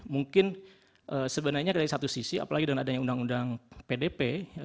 mungkin sebenarnya dari satu sisi apalagi dengan adanya undang undang pdp